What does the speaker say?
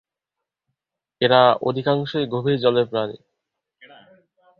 এরা অধিকাংশই গভীর জলের প্রাণী।